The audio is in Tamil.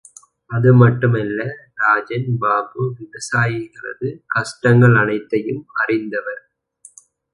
அது மட்டுமல்ல, ராஜன் பாபு விவசாயிகளது கஷ்டங்கள் அனைத்தையும் அறிந்தவர்.